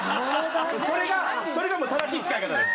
それが正しい使い方です。